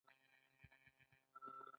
ځمکه د لمر شاوخوا ګرځي